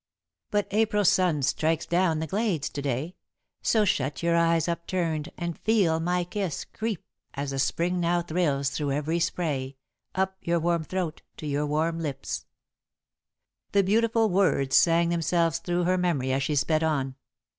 "But April's sun strikes down the glades to day; So shut your eyes upturned, and feel my kiss Creep, as the Spring now thrills through every spray Up your warm throat to your warm lips " [Sidenote: Rosemary Meets Edith] The beautiful words sang themselves through her memory as she sped on.